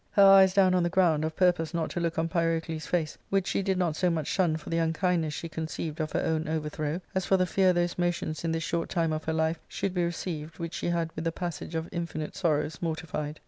Her eyes down on the ground, of purpose not to look on Pyrocles' face, which she did not so much shun for the unkindness she conceived of her own overthrow as for the fear those motions in this short time of her life should be received which she had with the passage of infinite sorrows mortified.